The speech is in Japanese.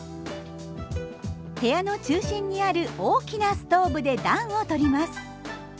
部屋の中心にある大きなストーブで暖を取ります。